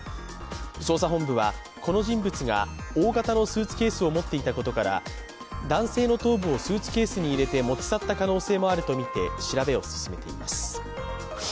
捜査本部はこの人物が大型のスーツケースを持っていたことから男性の頭部をスーツケースに入れて持ち去った可能性もあるとみて調べを進めています。